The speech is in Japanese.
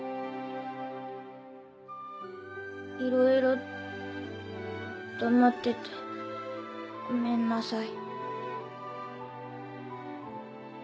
いろいろ黙っててごめんなさい。